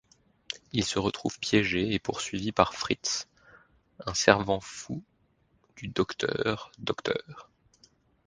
Il se retrouve piégé et poursuivi par Fritz, un servant fou du docteur Dr.